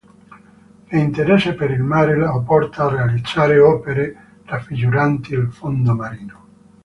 L'interesse per il mare lo porta a realizzare opere raffiguranti il fondo marino.